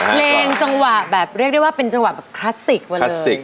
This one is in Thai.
เพลงจังหวะแบบเรียกได้ว่าเป็นจังหวะคลาสสิก